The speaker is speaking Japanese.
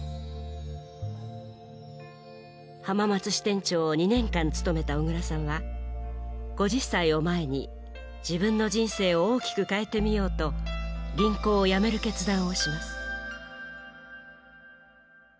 浜松支店長を２年間務めた小椋さんは５０歳を前に自分の人生を大きく変えてみようと銀行を辞める決断をします。